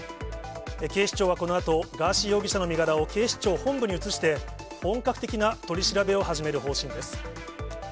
警視庁はこのあと、ガーシー容疑者の身柄を警視庁本部に移して、本格的な取り調べを始める方針です。